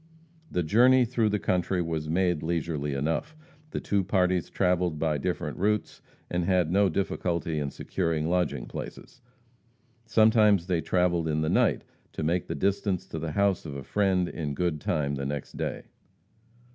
The journey through the country was made leisurely enough. The two parties travelled by different routes, and had no difficulty in securing lodging places. Sometimes they travelled in the night to make the distance to the house of a friend in good time the next day.